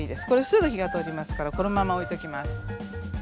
これすぐ火が通りますからこのまま置いときます。